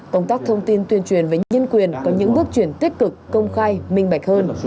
công tác thông tin tuyên truyền về nhân quyền có những bước chuyển tích cực công khai minh bạch hơn